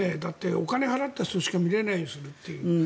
お金を払った人しか見れないようにするという。